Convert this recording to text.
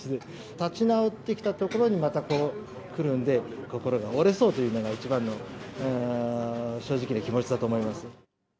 立ち直ってきたところにまたこうくるんで、心が折れそうというのが一番の正直な気持ちだと思います。